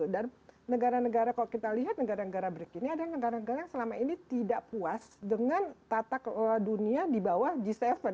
dan negara negara kalau kita lihat negara negara bric ini adalah negara negara yang selama ini tidak puas dengan tatak dunia di bawah g tujuh